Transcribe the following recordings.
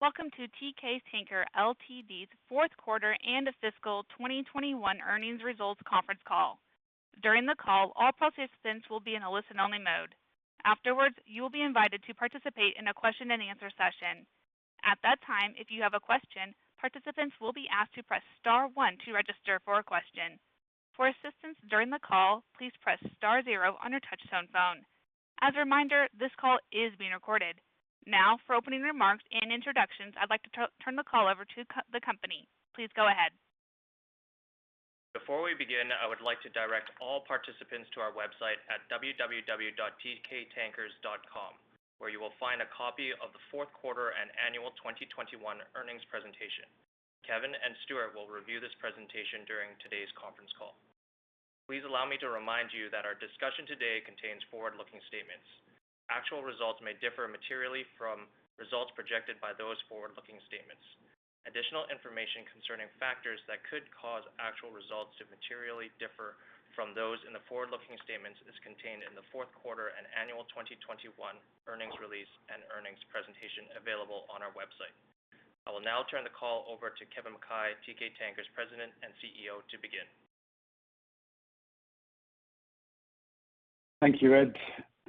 Welcome to Teekay Tankers Ltd.'s Q4 and Fiscal 2021 Earnings Results conference call. During the call, all participants will be in a listen-only mode. Afterwards, you will be invited to participate in a question-and-answer session. At that time, if you have a question, participants will be asked to press star one to register for a question. For assistance during the call, please press star zero on your touch-tone phone. As a reminder, this call is being recorded. Now for opening remarks and introductions, I'd like to turn the call over to the company. Please go ahead. Before we begin, I would like to direct all participants to our website at www.teekaytankers.com, where you will find a copy of the fourth quarter and annual 2021 earnings presentation. Kevin and Stewart will review this presentation during today's conference call. Please allow me to remind you that our discussion today contains forward-looking statements. Actual results may differ materially from results projected by those forward-looking statements. Additional information concerning factors that could cause actual results to materially differ from those in the forward-looking statements is contained in the Q4 and annual 2021 earnings release and earnings presentation available on our website. I will now turn the call over to Kevin Mackay, Teekay Tankers President and CEO, to begin. Thank you, Ed.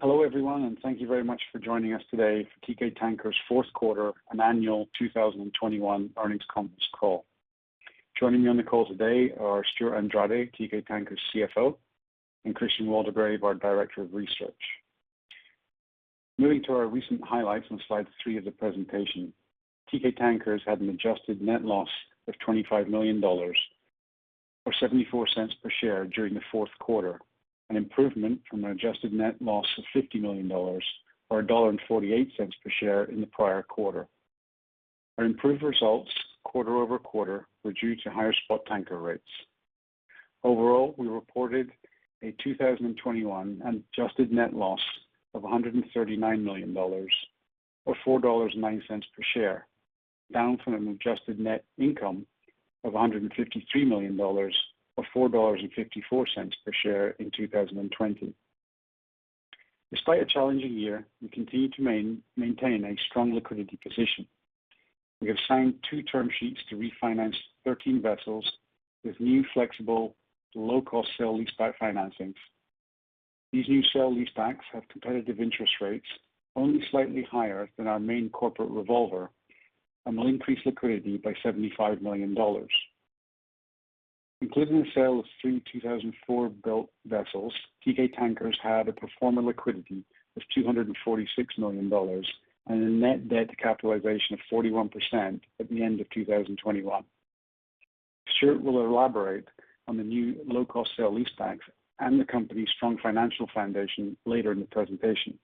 Hello, everyone, and thank you very much for joining us today for Teekay Tankers' fourth quarter and annual 2021 earnings conference call. Joining me on the call today are Stewart Andrade, Teekay Tankers' CFO, and Christian Waldegrave, our Director of Research. Moving to our recent highlights on slide 3 of the presentation. Teekay Tankers had an adjusted net loss of $25 million or $0.74 per share during the Q4, an improvement from an adjusted net loss of $50 million or $1.48 per share in the prior quarter. Our improved results quarter-over-quarter were due to higher spot tanker rates. Overall, we reported a 2021 adjusted net loss of $139 million or $4.09 per share, down from an adjusted net income of $153 million or $4.54 per share in 2020. Despite a challenging year, we continue to maintain a strong liquidity position. We have signed two-term sheets to refinance 13 vessels with new flexible, low-cost sale leaseback financings. These new sale leasebacks have competitive interest rates only slightly higher than our main corporate revolver and will increase liquidity by $75 million. Including the sale of three 2004-built vessels, Teekay Tankers had a pro forma liquidity of $246 million and a net debt to capitalization of 41% at the end of 2021. Stewart will elaborate on the new low-cost sale leasebacks and the company's strong financial foundation later in the presentation.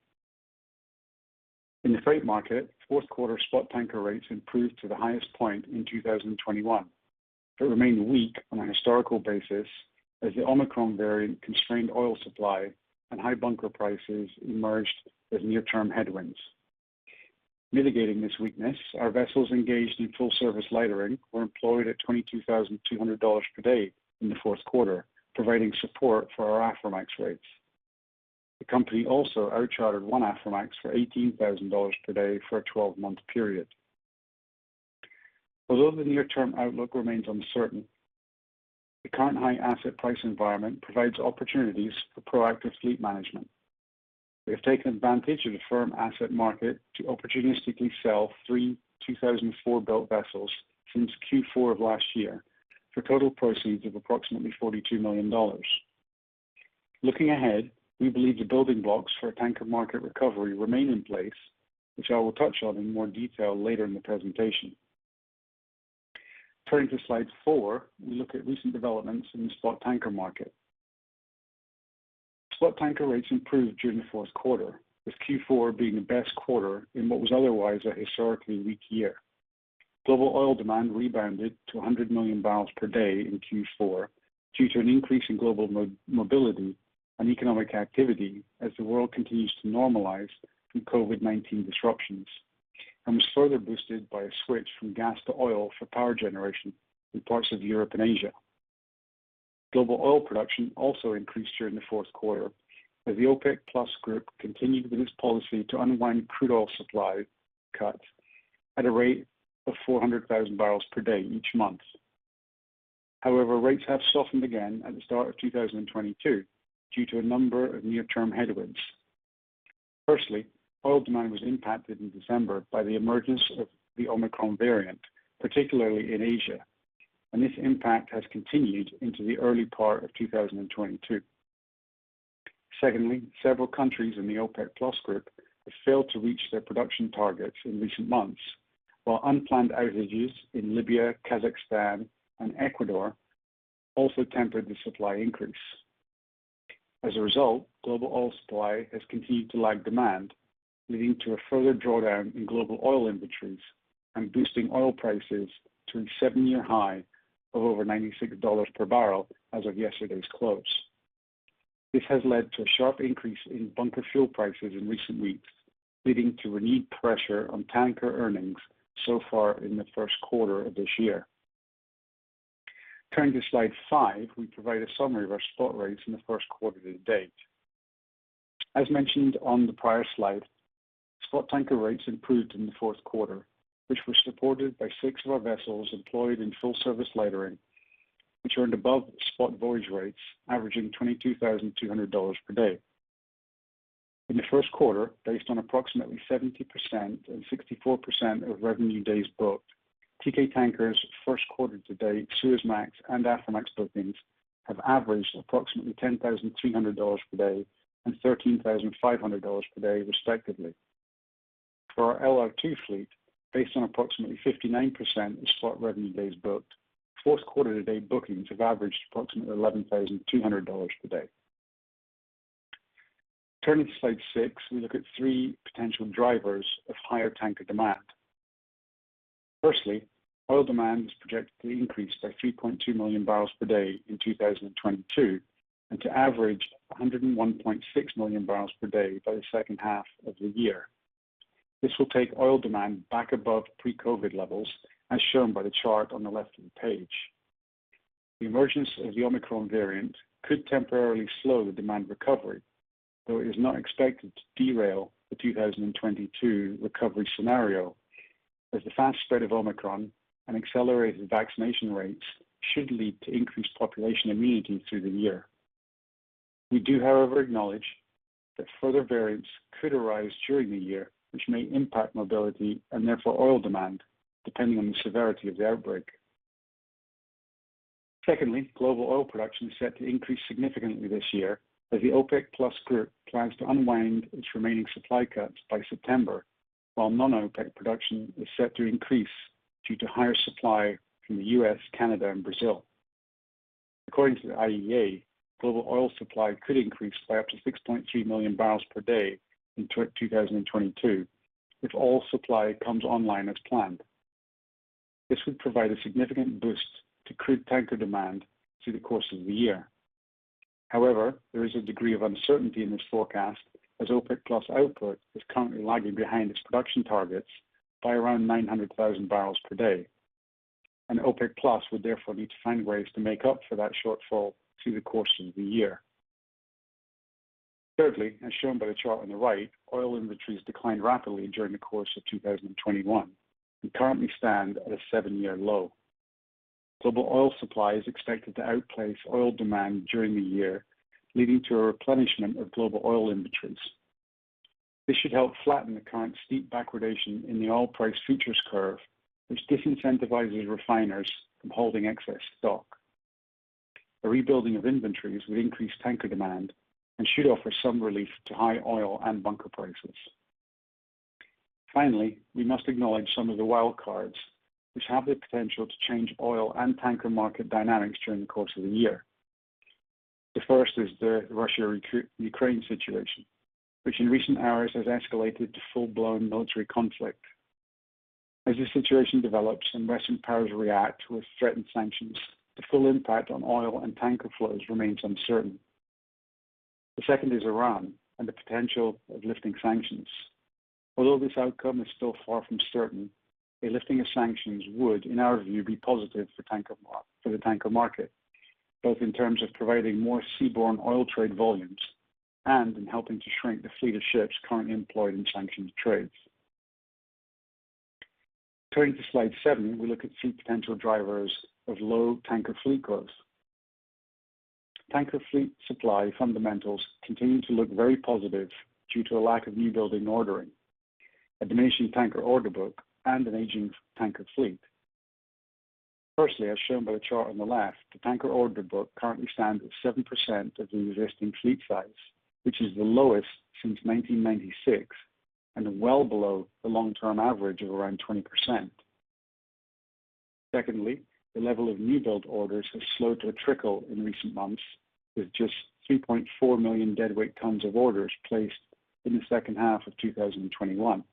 In the freight market, Q4 spot tanker rates improved to the highest point in 2021 but remained weak on a historical basis as the Omicron variant constrained oil supply and high bunker prices emerged as near-term headwinds. Mitigating this weakness, our vessels engaged in full-service lightering were employed at $22,200 per day in the Q4, providing support for our Aframax rates. The company also outchartered one Aframax for $18,000 per day for a 12-month period. Although the near-term outlook remains uncertain, the current high asset price environment provides opportunities for proactive fleet management. We have taken advantage of the firm asset market to opportunistically sell three 2004-built vessels since Q4 of last year for total proceeds of approximately $42 million. Looking ahead, we believe the building blocks for a tanker market recovery remain in place, which I will touch on in more detail later in the presentation. Turning to slide 4, we look at recent developments in the spot tanker market. Spot tanker rates improved during the fourth quarter, with Q4 being the best quarter in what was otherwise a historically weak year. Global oil demand rebounded to 100 million barrels per day in Q4 due to an increase in global mobility and economic activity as the world continues to normalize from COVID-19 disruptions, and was further boosted by a switch from gas to oil for power generation in parts of Europe and Asia. Global oil production also increased during the Q4 as the OPEC+ group continued with its policy to unwind crude oil supply cuts at a rate of 400,000 barrels per day each month. However, rates have softened again at the start of 2022 due to a number of near-term headwinds. Firstly, oil demand was impacted in December by the emergence of the Omicron variant, particularly in Asia, and this impact has continued into the early part of 2022. Secondly, several countries in the OPEC+ group have failed to reach their production targets in recent months, while unplanned outages in Libya, Kazakhstan, and Ecuador also tempered the supply increase. As a result, global oil supply has continued to lag demand, leading to a further drawdown in global oil inventories and boosting oil prices to a seven-year high of over $96 per barrel as of yesterday's close. This has led to a sharp increase in bunker fuel prices in recent weeks, leading to renewed pressure on tanker earnings so far in the Q1 of this year. Turning to slide 5, we provide a summary of our spot rates in the first quarter to date. As mentioned on the prior slide, spot tanker rates improved in the fourth quarter, which was supported by 6 of our vessels employed in full service lightering, which earned above spot voyage rates, averaging $22,200 per day. In the Q1, based on approximately 70% and 64% of revenue days booked, Teekay Tankers first quarter to date, Suezmax and Aframax bookings have averaged approximately $10,300 per day and $13,500 per day respectively. For our LR2 fleet, based on approximately 59% of spot revenue days booked, fourth quarter to date bookings have averaged approximately $11,200 per day. Turning to slide 6, we look at three potential drivers of higher tanker demand. Firstly, oil demand is projected to increase by 3.2 million barrels per day in 2022, and to average 101.6 million barrels per day by the second half of the year. This will take oil demand back above pre-COVID-19 levels, as shown by the chart on the left of the page. The emergence of the Omicron variant could temporarily slow the demand recovery, though it is not expected to derail the 2022 recovery scenario as the fast spread of Omicron and accelerated vaccination rates should lead to increased population immunity through the year. We do, however, acknowledge that further variants could arise during the year, which may impact mobility and therefore oil demand, depending on the severity of the outbreak. Global oil production is set to increase significantly this year as the OPEC+ group plans to unwind its remaining supply cuts by September, while non-OPEC production is set to increase due to higher supply from the U.S., Canada and Brazil. According to the IEA, global oil supply could increase by up to 6.3 million barrels per day in 2022, if all supply comes online as planned. This would provide a significant boost to crude tanker demand through the course of the year. However, there is a degree of uncertainty in this forecast as OPEC+ output is currently lagging behind its production targets by around 900,000 barrels per day, and OPEC+ would therefore need to find ways to make up for that shortfall through the course of the year. Thirdly, as shown by the chart on the right, oil inventories declined rapidly during the course of 2021 and currently stand at a 7-year low. Global oil supply is expected to outpace oil demand during the year, leading to a replenishment of global oil inventories. This should help flatten the current steep backwardation in the oil price futures curve, which disincentivizes refiners from holding excess stock. The rebuilding of inventories would increase tanker demand and should offer some relief to high oil and bunker prices. Finally, we must acknowledge some of the wild cards which have the potential to change oil and tanker market dynamics during the course of the year. The first is the Russia-Ukraine situation, which in recent hours has escalated to full-blown military conflict. As this situation develops and Western powers react with threatened sanctions, the full impact on oil and tanker flows remains uncertain. The second is Iran and the potential of lifting sanctions. Although this outcome is still far from certain, a lifting of sanctions would, in our view, be positive for the tanker market, both in terms of providing more seaborne oil trade volumes and in helping to shrink the fleet of ships currently employed in sanctions trades. Turning to slide 7, we look at three potential drivers of low tanker fleet growth. Tanker fleet supply fundamentals continue to look very positive due to a lack of new building ordering, a diminishing tanker order book, and an aging tanker fleet. Firstly, as shown by the chart on the left, the tanker order book currently stands at 7% of the existing fleet size, which is the lowest since 1996 and well below the long-term average of around 20%. Secondly, the level of new build orders has slowed to a trickle in recent months, with just 3.4 million deadweight tons of orders placed in the second half of 2021,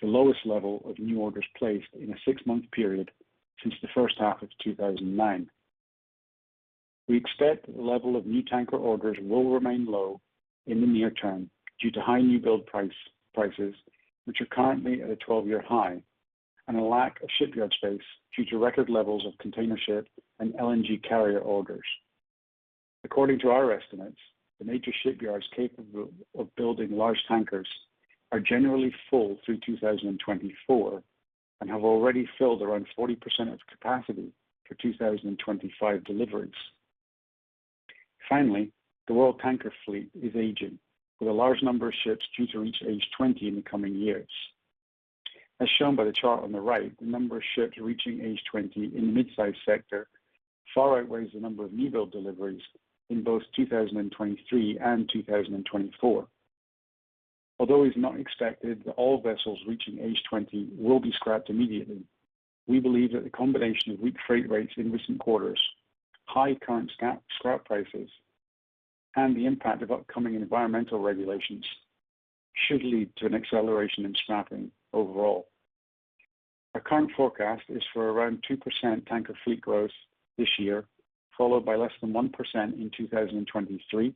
the lowest level of new orders placed in a six-month period since the first half of 2009. We expect the level of new tanker orders will remain low in the near term due to high newbuild prices, which are currently at a 12-year high and a lack of shipyard space due to record levels of container ship and LNG carrier orders. According to our estimates, the major shipyards capable of building large tankers are generally full through 2024 and have already filled around 40% of capacity for 2025 deliveries. Finally, the world tanker fleet is aging, with a large number of ships due to reach age 20 in the coming years. As shown by the chart on the right, the number of ships reaching age 20 in the mid-size sector far outweighs the number of newbuild deliveries in both 2023 and 2024. Although it's not expected that all vessels reaching age 20 will be scrapped immediately, we believe that the combination of weak freight rates in recent quarters, high current scrap prices, and the impact of upcoming environmental regulations should lead to an acceleration in scrapping overall. Our current forecast is for around 2% tanker fleet growth this year, followed by less than 1% in 2023,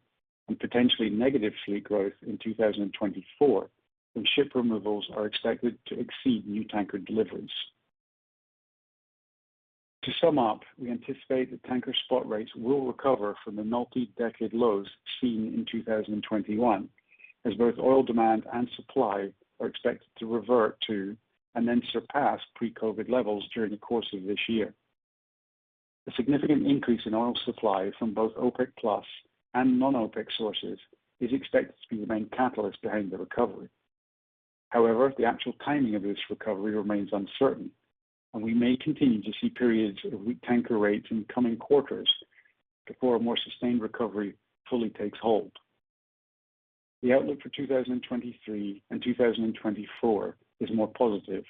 and potentially negative fleet growth in 2024, when ship removals are expected to exceed new tanker deliveries. To sum up, we anticipate that tanker spot rates will recover from the multi-decade lows seen in 2021, as both oil demand and supply are expected to revert to and then surpass pre-COVID levels during the course of this year. A significant increase in oil supply from both OPEC+ and non-OPEC sources is expected to be the main catalyst behind the recovery. However, the actual timing of this recovery remains uncertain, and we may continue to see periods of weak tanker rates in coming quarters before a more sustained recovery fully takes hold. The outlook for 2023 and 2024 is more positive,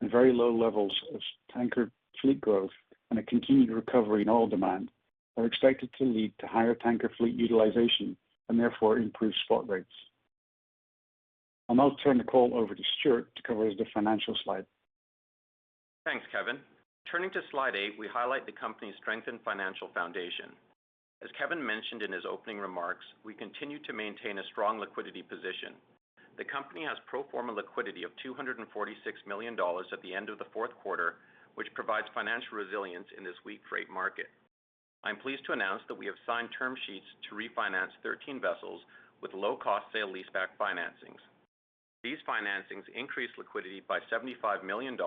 and very low levels of tanker fleet growth and a continued recovery in oil demand are expected to lead to higher tanker fleet utilization and therefore improved spot rates. I'll now turn the call over to Stewart to cover the financial slide. Thanks, Kevin. Turning to slide 8, we highlight the company's strengthened financial foundation. As Kevin mentioned in his opening remarks, we continue to maintain a strong liquidity position. The company has pro forma liquidity of $246 million at the end of the Q4, which provides financial resilience in this weak freight market. I'm pleased to announce that we have signed term sheets to refinance 13 vessels with low-cost sale leaseback financings. These financings increase liquidity by $75 million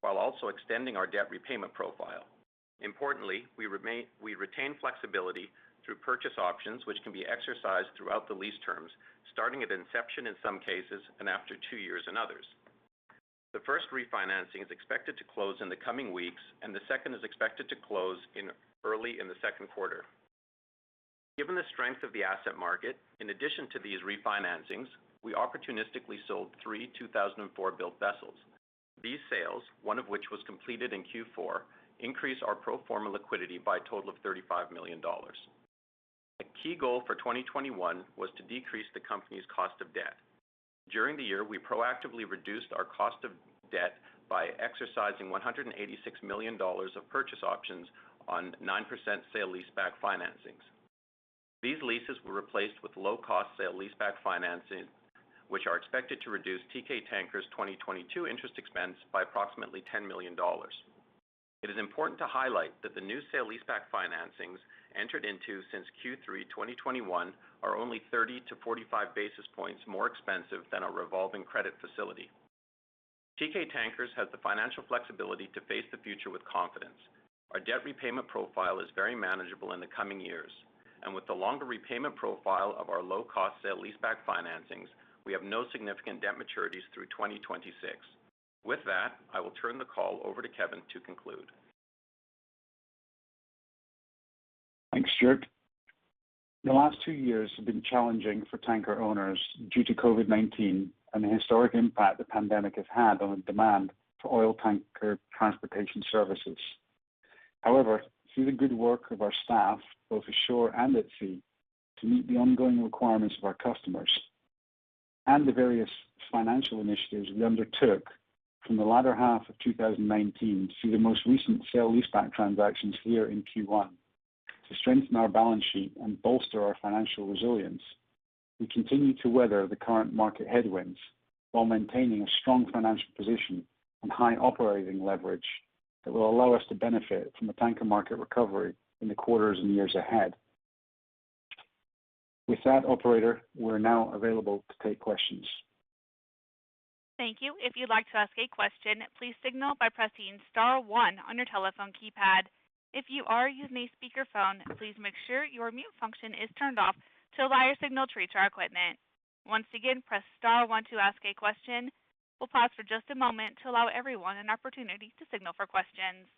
while also extending our debt repayment profile. Importantly, we retain flexibility through purchase options, which can be exercised throughout the lease terms, starting at inception in some cases and after two years in others. The first refinancing is expected to close in the coming weeks, and the second is expected to close in early in the Q2. Given the strength of the asset market, in addition to these refinancings, we opportunistically sold three 2004-built vessels. These sales, one of which was completed in Q4, increase our pro forma liquidity by a total of $35 million. A key goal for 2021 was to decrease the company's cost of debt. During the year, we proactively reduced our cost of debt by exercising $186 million of purchase options on 9% sale leaseback financings. These leases were replaced with low-cost sale leaseback financing, which are expected to reduce Teekay Tankers 2022 interest expense by approximately $10 million. It is important to highlight that the new sale leaseback financings entered into since Q3 2021 are only 30-45 basis points more expensive than our revolving credit facility. Teekay Tankers has the financial flexibility to face the future with confidence. Our debt repayment profile is very manageable in the coming years, and with the longer repayment profile of our low-cost sale leaseback financings, we have no significant debt maturities through 2026. With that, I will turn the call over to Kevin to conclude. Thanks, Stewart. The last two years have been challenging for tanker owners due to COVID-19 and the historic impact the pandemic has had on demand for oil tanker transportation services. However, through the good work of our staff, both ashore and at sea, to meet the ongoing requirements of our customers and the various financial initiatives we undertook from the latter half of 2019 through the most recent sale leaseback transactions here in Q1 to strengthen our balance sheet and bolster our financial resilience, we continue to weather the current market headwinds while maintaining a strong financial position and high operating leverage that will allow us to benefit from the tanker market recovery in the quarters and years ahead. With that, operator, we're now available to take questions. Thank you. If you'd like to ask a question, please signal by pressing star one on your telephone keypad. If you are using a speakerphone, please make sure your mute function is turned off to allow your signal to reach our equipment. Once again, press star one to ask a question. We'll pause for just a moment to allow everyone an opportunity to signal for questions.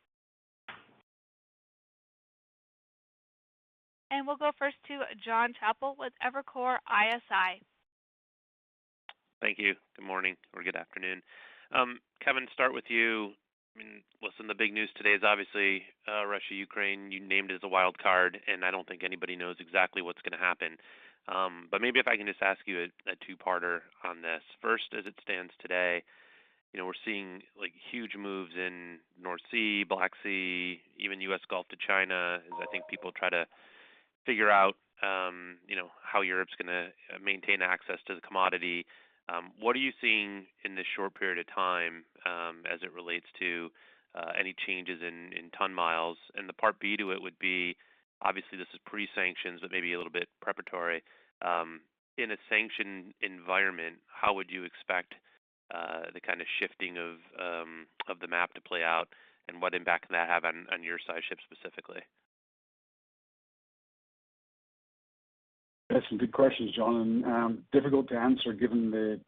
We'll go first to Jon Chappell with Evercore ISI. Thank you. Good morning or good afternoon. Kevin, start with you. I mean, listen, the big news today is obviously Russia, Ukraine. You named it as a wild card, and I don't think anybody knows exactly what's gonna happen. But maybe if I can just ask you a two-parter on this. First, as it stands today, you know, we're seeing like huge moves in North Sea, Black Sea, even U.S. Gulf to China, as I think people try to figure out, you know, how Europe's gonna maintain access to the commodity. What are you seeing in this short period of time, as it relates to any changes in ton miles? And the part B to it would be, obviously this is pre-sanctions, but maybe a little bit preparatory. In a sanctions environment, how would you expect the kind of shifting of the map to play out, and what impact could that have on your Suezmax ships specifically? That's some good questions, Jon, and difficult to answer given the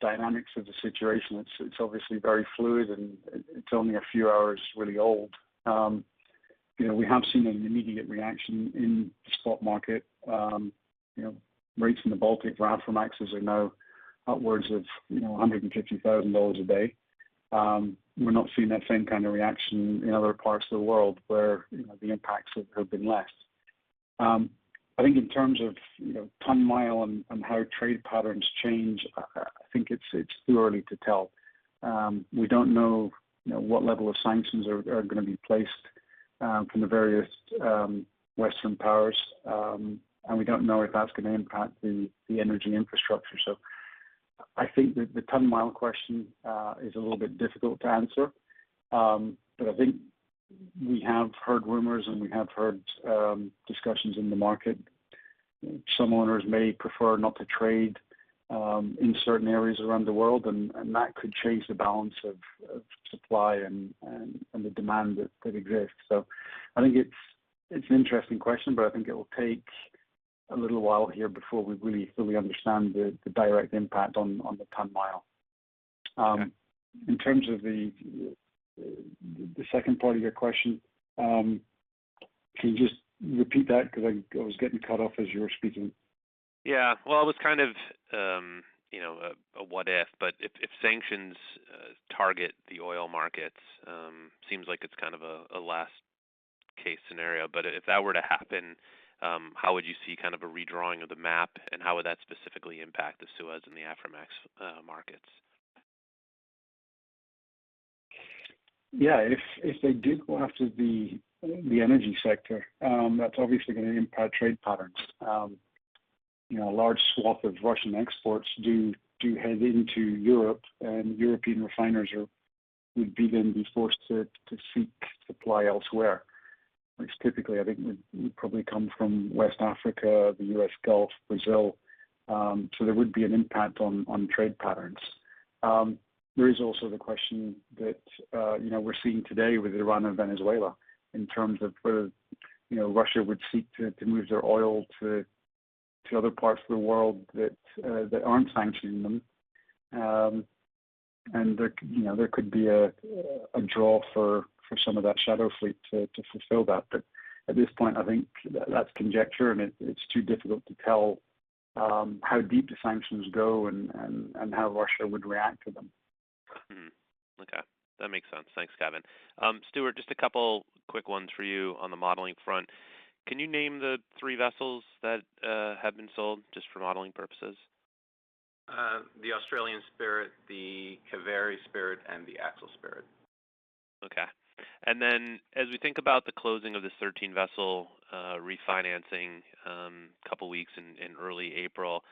dynamics of the situation. It's obviously very fluid and it's only a few hours really old. You know, we have seen an immediate reaction in the spot market. You know, rates in the Baltic for Aframaxes are now upwards of $150,000 a day. We're not seeing that same kind of reaction in other parts of the world where the impacts have been less. I think in terms of ton mile and how trade patterns change, I think it's too early to tell. We don't know what level of sanctions are gonna be placed from the various Western powers. We don't know if that's gonna impact the energy infrastructure. I think that the ton mile question is a little bit difficult to answer. I think we have heard rumors, and we have heard discussions in the market. Some owners may prefer not to trade in certain areas around the world, and that could change the balance of supply and the demand that exists. I think it's an interesting question, but I think it will take a little while here before we really fully understand the direct impact on the ton mile. In terms of the second part of your question, can you just repeat that? 'Cause I was getting cut off as you were speaking. Yeah. Well, it was kind of, you know, a what if. If sanctions target the oil markets, it seems like it's kind of a worst case scenario. If that were to happen, how would you see kind of a redrawing of the map, and how would that specifically impact the Suezmax and Aframax markets? Yeah. If they did go after the energy sector, that's obviously gonna impact trade patterns. You know, a large swath of Russian exports do head into Europe, and European refiners would then be forced to seek supply elsewhere, which typically I think would probably come from West Africa, the U.S. Gulf, Brazil. There would be an impact on trade patterns. There is also the question that you know, we're seeing today with Iran and Venezuela in terms of whether you know, Russia would seek to move their oil to other parts of the world that aren't sanctioning them. You know, there could be a draw for some of that shadow fleet to fulfill that. At this point, I think that's conjecture, and it's too difficult to tell how deep the sanctions go and how Russia would react to them. Mm-hmm. Okay. That makes sense. Thanks, Kevin. Stewart, just a couple quick ones for you on the modeling front. Can you name the three vessels that have been sold just for modeling purposes? The Australian Spirit, the Kaveri Spirit, and the Axel Spirit. Okay. As we think about the closing of this 13-vessel refinancing, couple weeks in early April,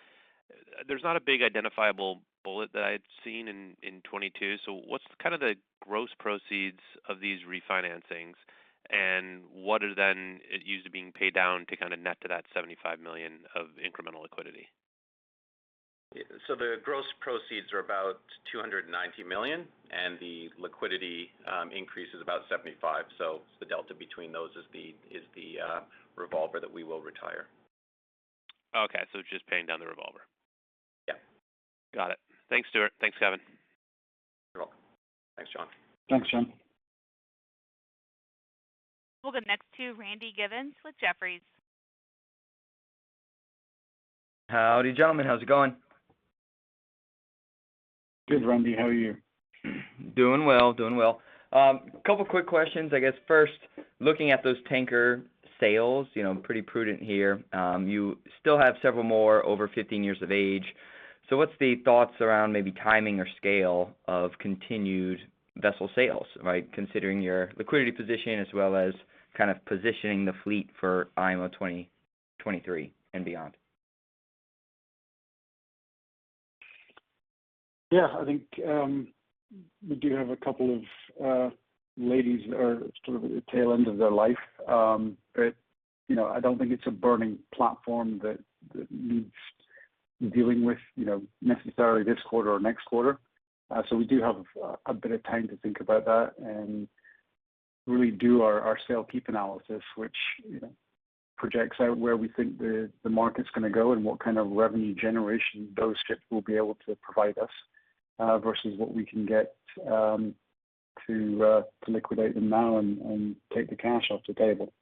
there's not a big identifiable bullet that I had seen in 2022. What's kind of the gross proceeds of these refinancings, and what are then used to being paid down to kind of net to that $75 million of incremental liquidity? The gross proceeds are about $290 million, and the liquidity increase is about $75 million. The delta between those is the revolver that we will retire. Okay. Just paying down the revolver. Yeah. Got it. Thanks, Stewart. Thanks, Kevin. You're welcome. Thanks, Jon. Thanks, Jon. We'll go next to Randy Giveans with Jefferies. Howdy, gentlemen. How's it going? Good, Randy. How are you? Doing well. Couple of quick questions. I guess first, looking at those tanker sales, you know, pretty prudent here. You still have several more over 15 years of age. What's the thoughts around maybe timing or scale of continued vessel sales, right? Considering your liquidity position as well as kind of positioning the fleet for IMO 2023 and beyond. Yeah. I think we do have a couple of ladies that are sort of at the tail end of their life. But you know, I don't think it's a burning platform that needs dealing with necessarily this quarter or next quarter. So we do have a bit of time to think about that and really do our sell/keep analysis, which you know projects out where we think the market's gonna go and what kind of revenue generation those ships will be able to provide us versus what we can get to liquidate them now and take the cash off the table.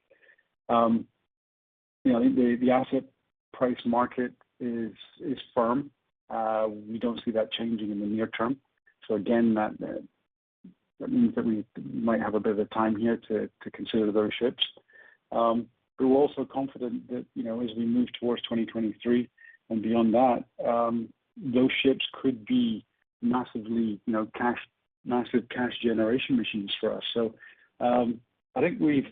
You know, the asset price market is firm. We don't see that changing in the near term. Again, that means that we might have a bit of time here to consider those ships. We're also confident that, you know, as we move towards 2023 and beyond that, those ships could be massive cash generation machines for us. I think we've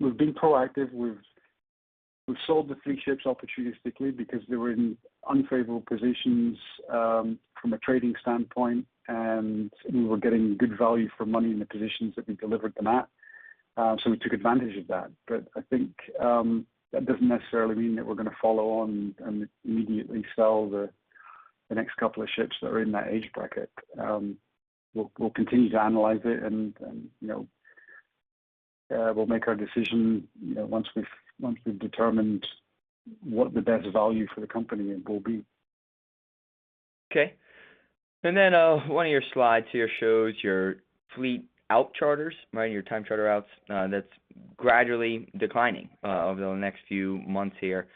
been proactive. We've sold the three ships opportunistically because they were in unfavorable positions from a trading standpoint, and we were getting good value for money in the positions that we delivered them at. We took advantage of that. I think that doesn't necessarily mean that we're gonna follow on and immediately sell the next couple of ships that are in that age bracket. We'll continue to analyze it and, you know, we'll make our decision, you know, once we've determined what the best value for the company will be. Okay. One of your slides here shows your fleet out charters, right? Your time charter outs, that's gradually declining over the next few months here.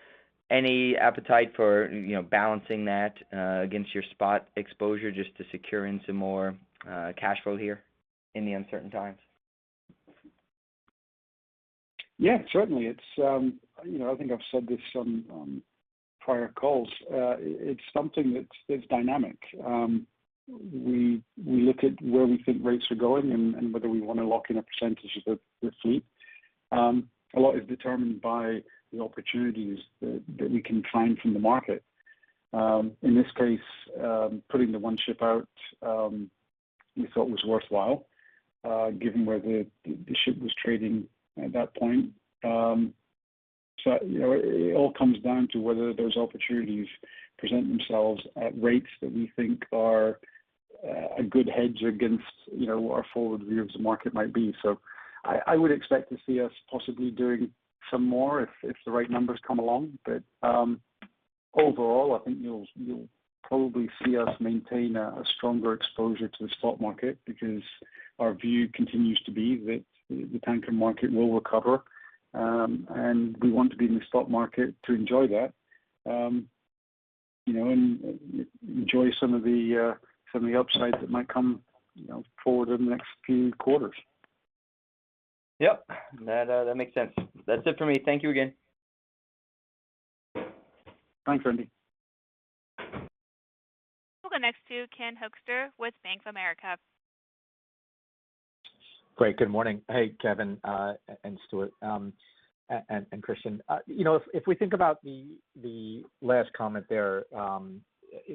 Any appetite for, you know, balancing that against your spot exposure just to secure in some more cash flow here? In the uncertain times. Yeah, certainly. It's you know, I think I've said this on prior calls. It's something that's dynamic. We look at where we think rates are going and whether we wanna lock in a percentage of the fleet. A lot is determined by the opportunities that we can find from the market. In this case, putting the one ship out we thought was worthwhile given where the ship was trading at that point. You know, it all comes down to whether those opportunities present themselves at rates that we think are a good hedge against you know, our forward view of the market might be. I would expect to see us possibly doing some more if the right numbers come along. Overall, I think you'll probably see us maintain a stronger exposure to the spot market because our view continues to be that the tanker market will recover, and we want to be in the spot market to enjoy that. You know, and enjoy some of the upsides that might come, you know, forward in the next few quarters. Yep. That makes sense. That's it for me. Thank you again. Thanks, Randy. We'll go next to Ken Hoexter with Bank of America. Great. Good morning. Hey, Kevin, and Stewart, and Christian. You know, if we think about the last comment there,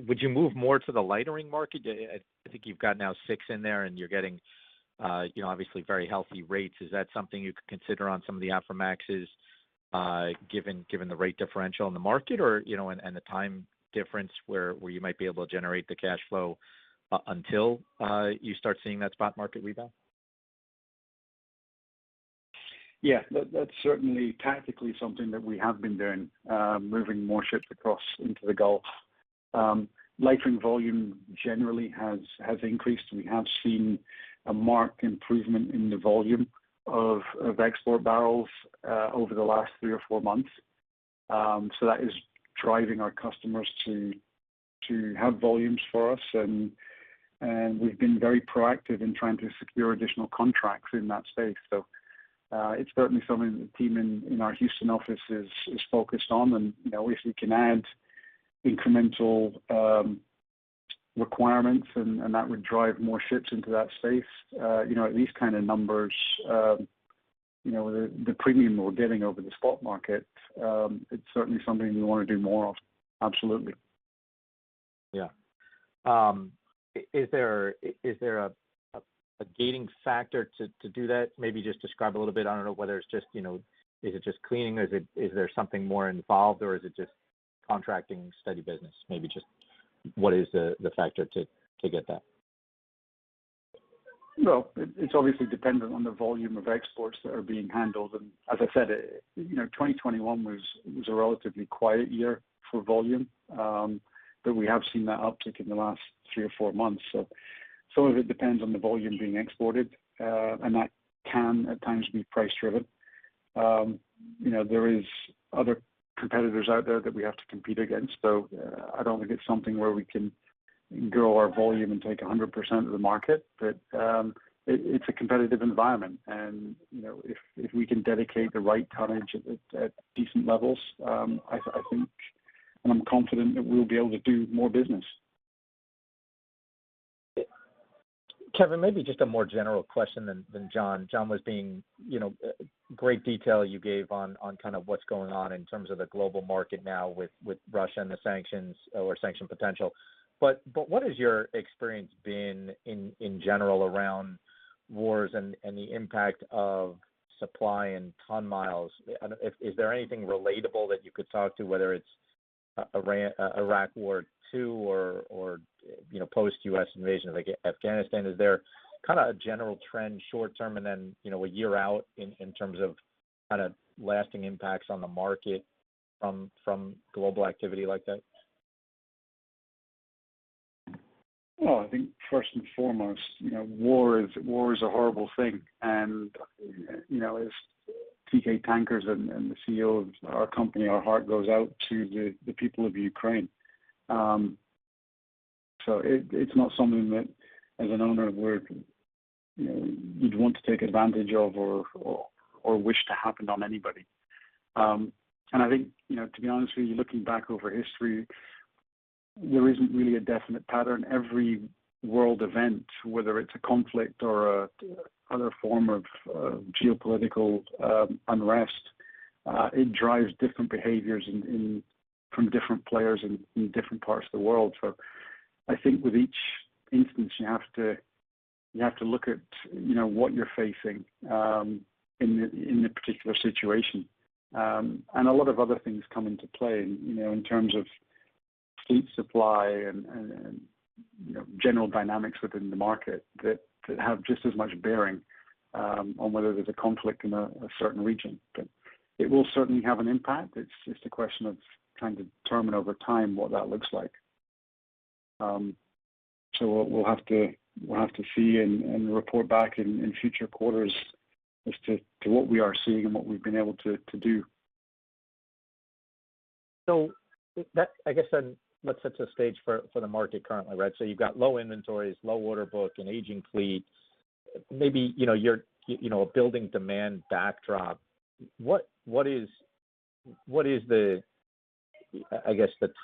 would you move more to the lightering market? I think you've got now six in there, and you're getting, you know, obviously very healthy rates. Is that something you could consider on some of the Aframaxes, given the rate differential in the market or, you know, and the time difference where you might be able to generate the cash flow until you start seeing that spot market rebound? Yeah. That's certainly tactically something that we have been doing, moving more ships across into the Gulf. Lightering volume generally has increased, and we have seen a marked improvement in the volume of export barrels over the last three or four months. That is driving our customers to have volumes for us, and we've been very proactive in trying to secure additional contracts in that space. It's certainly something the team in our Houston office is focused on. You know, if we can add incremental requirements and that would drive more ships into that space, you know, at these kind of numbers, you know, the premium that we're getting over the spot market, it's certainly something we wanna do more of. Absolutely. Yeah. Is there a gating factor to do that? Maybe just describe a little bit. I don't know whether it's just, you know, is it just cleaning or is there something more involved or is it just contracting steady business? Maybe just what is the factor to get that? Well, it's obviously dependent on the volume of exports that are being handled. As I said, you know, 2021 was a relatively quiet year for volume. We have seen that uptick in the last three or four months. Some of it depends on the volume being exported, and that can at times be price-driven. You know, there is other competitors out there that we have to compete against, so I don't think it's something where we can grow our volume and take 100% of the market. It's a competitive environment and, you know, if we can dedicate the right tonnage at decent levels, I think and I'm confident that we'll be able to do more business. Kevin, maybe just a more general question than Jon. Jon was being, you know. Great detail you gave on kind of what's going on in terms of the global market now with Russia and the sanctions or sanction potential. But what has your experience been in general around wars and the impact of supply and ton miles? Is there anything relatable that you could talk to, whether it's Iraq War 2 or, you know, post-U.S. invasion of Afghanistan? Is there kinda a general trend short-term and then, you know, a year out in terms of kinda lasting impacts on the market from global activity like that? Well, I think first and foremost, you know, war is a horrible thing. As the CEO of Teekay Tankers, our heart goes out to the people of Ukraine. It's not something that as an owner-operator, you know, you'd want to take advantage of or wish to happen on anybody. I think, you know, to be honest with you, looking back over history, there isn't really a definite pattern. Every world event, whether it's a conflict or another form of geopolitical unrest, it drives different behaviors from different players in different parts of the world. I think with each instance you have to look at, you know, what you're facing in the particular situation. A lot of other things come into play, you know, in terms of fleet supply and general dynamics within the market that have just as much bearing on whether there's a conflict in a certain region. It will certainly have an impact. It's a question of trying to determine over time what that looks like. We'll have to see and report back in future quarters as to what we are seeing and what we've been able to do. That, I guess, then let's set the stage for the market currently, right? You've got low inventories, low order book, and aging fleet. Maybe, you know, you're, you know, building demand backdrop. What is the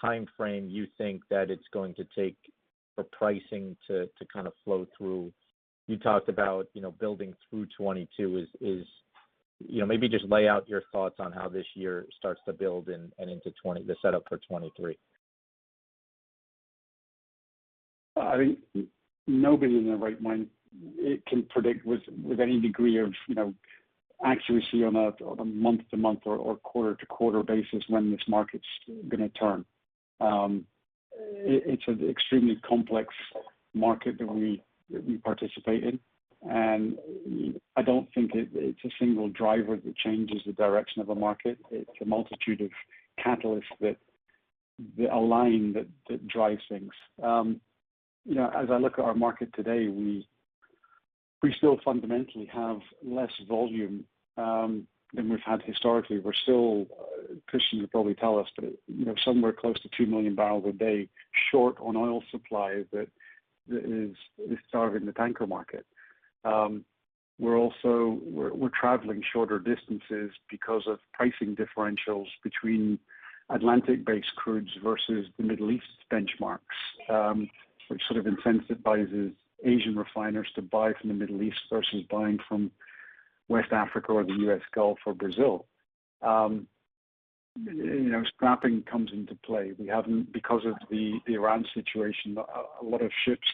timeframe you think that it's going to take for pricing to kind of flow through? You talked about, you know, building through 2022 is, you know, maybe just lay out your thoughts on how this year starts to build and into 2023, the setup for 2023. I think nobody in their right mind can predict with any degree of, you know, accuracy on a month-to-month or quarter-to-quarter basis when this market's gonna turn. It's an extremely complex market that we participate in, and I don't think it's a single driver that changes the direction of a market. It's a multitude of catalysts that align that drives things. You know, as I look at our market today, we still fundamentally have less volume than we've had historically. We're still. Christian would probably tell us, but you know, somewhere close to 2 million barrels a day short on oil supply that is starving the tanker market. We're traveling shorter distances because of pricing differentials between Atlantic-based crudes versus the Middle East benchmarks, which sort of incentivizes Asian refiners to buy from the Middle East versus buying from West Africa or the U.S. Gulf or Brazil. You know, scrapping comes into play. We haven't because of the Iran situation, a lot of ships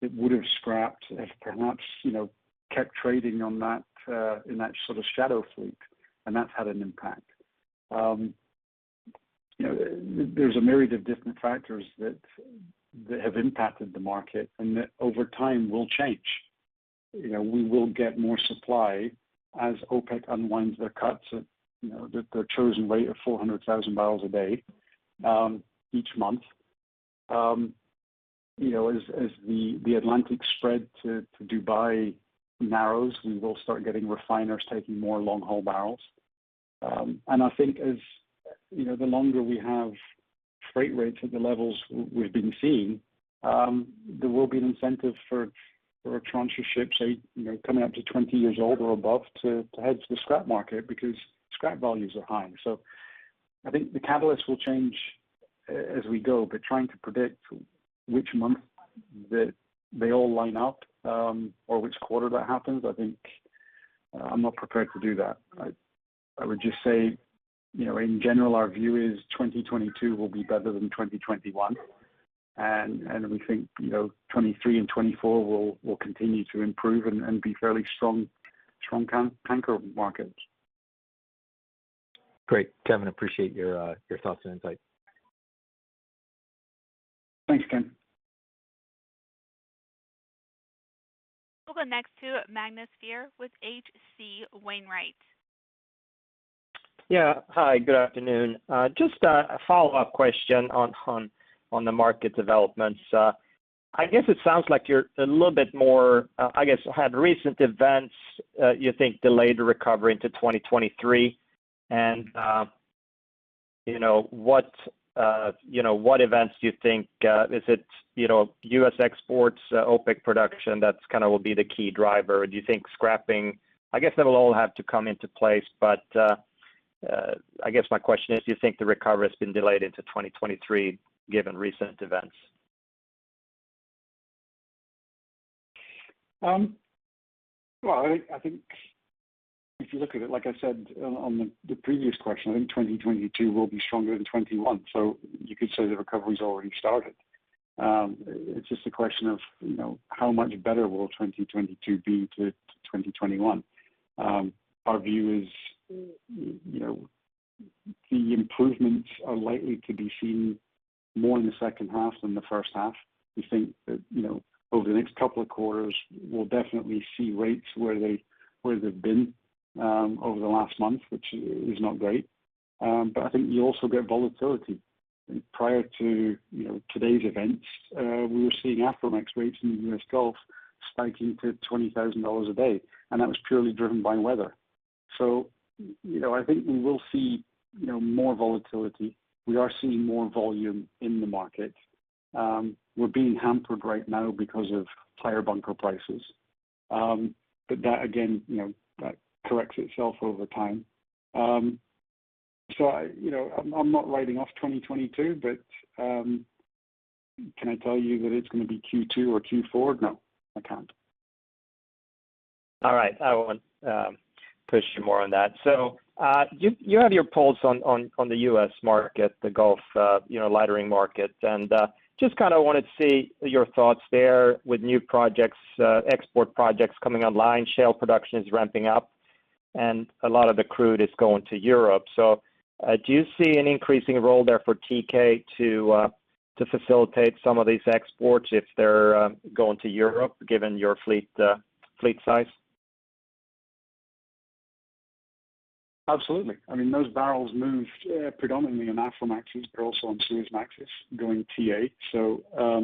that would have scrapped have perhaps, you know, kept trading on that, in that sort of shadow fleet, and that's had an impact. You know, there's a myriad of different factors that have impacted the market and that over time will change. You know, we will get more supply as OPEC unwinds their cuts at, you know, the chosen rate of 400,000 barrels a day, each month. You know, as the Atlantic spread to Dubai narrows, we will start getting refiners taking more long-haul barrels. I think as you know, the longer we have freight rates at the levels we've been seeing, there will be an incentive for a tranche of ships, say, you know, coming up to 20 years old or above, to head to the scrap market because scrap values are high. I think the catalyst will change as we go, but trying to predict which month that they all line up or which quarter that happens, I think I'm not prepared to do that. I would just say, you know, in general, our view is 2022 will be better than 2021. We think, you know, 2023 and 2024 will continue to improve and be fairly strong tanker markets. Great, Kevin. Appreciate your thoughts and insight. Thanks, Ken. We'll go next to Magnus Fyhr with H.C. Wainwright. Yeah. Hi, good afternoon. Just a follow-up question on the market developments. I guess it sounds like you're a little bit more. I guess that recent events you think delayed the recovery into 2023. What events do you think? Is it, you know, U.S. exports, OPEC production that's kinda will be the key driver? Do you think scrapping, I guess that will all have to come into place. I guess my question is, do you think the recovery has been delayed into 2023 given recent events? Well, I think if you look at it, like I said on the previous question, I think 2022 will be stronger than 2021, so you could say the recovery's already started. It's just a question of, you know, how much better will 2022 be to 2021? Our view is, you know, the improvements are likely to be seen more in the second half than the first half. We think that, you know, over the next couple of quarters, we'll definitely see rates where they've been over the last month, which is not great. But I think you also get volatility. Prior to, you know, today's events, we were seeing Aframax rates in the U.S. Gulf spiking to $20,000 a day, and that was purely driven by weather. You know, I think we will see, you know, more volatility. We are seeing more volume in the market. We're being hampered right now because of higher bunker prices. That again, you know, that corrects itself over time. You know, I'm not writing off 2022, but can I tell you that it's gonna be Q2 or Q4? No, I can't. All right. I won't push you more on that. You have your pulse on the U.S. market, the Gulf, you know, lightering market. Just kinda wanted to see your thoughts there with new projects, export projects coming online, shale production is ramping up, and a lot of the crude is going to Europe. Do you see an increasing role there for Teekay to facilitate some of these exports if they're going to Europe, given your fleet size? Absolutely. I mean, those barrels moved predominantly on Aframaxes, but also on Suezmaxes going TA.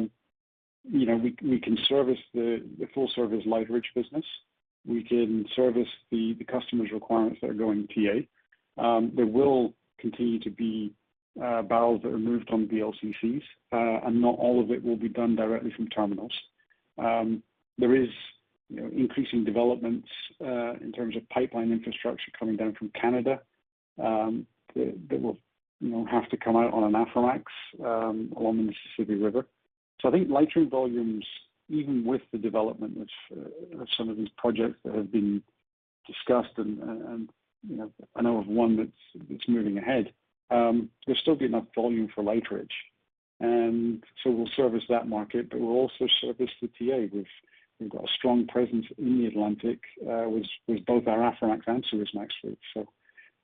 You know, we can service the full-service lightering business. We can service the customer's requirements that are going TA. There will continue to be barrels that are moved on VLCCs, and not all of it will be done directly from terminals. There is increasing developments in terms of pipeline infrastructure coming down from Canada, that will have to come out on an Aframax along the Mississippi River. I think lightering volumes, even with the development of some of these projects that have been discussed, and you know, I know of one that's moving ahead, there's still be enough volume for lighterage. We'll service that market, but we'll also service the TA. We've got a strong presence in the Atlantic with both our Aframax and Suezmax fleet.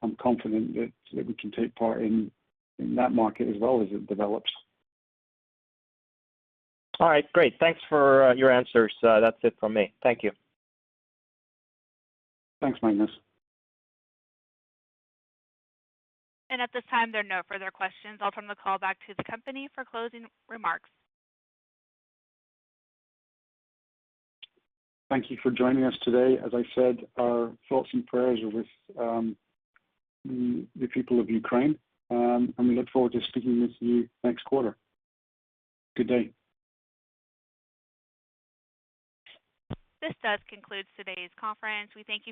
I'm confident that we can take part in that market as well as it develops. All right, great. Thanks for your answers. That's it from me. Thank you. Thanks, Magnus. At this time, there are no further questions. I'll turn the call back to the company for closing remarks. Thank you for joining us today. As I said, our thoughts and prayers are with the people of Ukraine, and we look forward to speaking with you next quarter. Good day. This does conclude today's conference. We thank you for